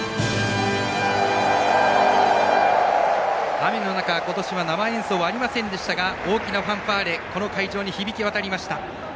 雨の中、今年は生演奏はありませんでしたが大きなファンファーレ会場に鳴り響きました。